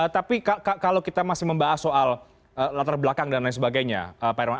tapi kalau kita masih membahas soal latar belakang dan lain sebagainya pak irwan